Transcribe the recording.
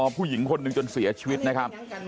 ผู้หญิงคนหนึ่งจนเสียชีวิตนะครับ